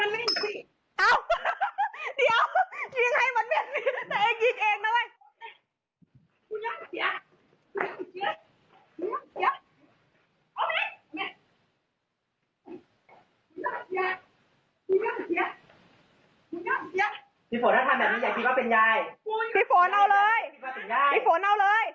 พี่ฝนเอาเลยพี่ฝนเอา